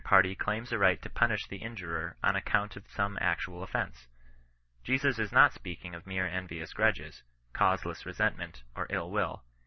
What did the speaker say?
35 party claims a right to punish the injurer on account of «ome actual offence. Jesus is not speaking of mere en yious grudges, causeless resentment, or iU will.